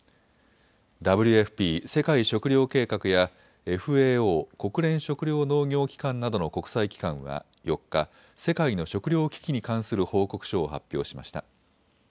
ＷＦＰ・世界食糧計画やＦＡＯ・国連食糧農業機関などの国際機関は４日、世界の食糧危機に関する報告書を発表しました。